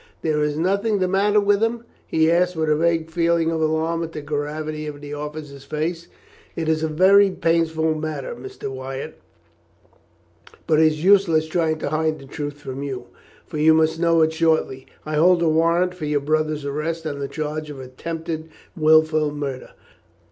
There is nothing the matter with him?" he asked, with a vague feeling of alarm at the gravity of the officer's face. "It is a very painful matter, Mr. Wyatt; but it is useless trying to hide the truth from you, for you must know it shortly. I hold a warrant for your brother's arrest on the charge of attempted wilful murder."